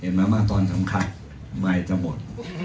เห็นไหมมาตอนสำคัญไม่จะหมด